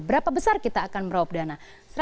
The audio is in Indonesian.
berapa besar kita akan meraup dana